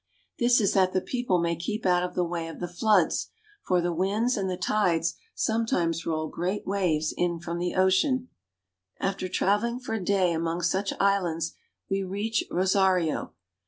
This is that the people may keep out of the way of the floods, for the winds and the tides sometimes roll great waves in from the ocean. After traveling for a day among such islands, we reach Rosario.